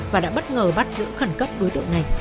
và đã bất ngờ bắt giữ khẩn cấp đối tượng này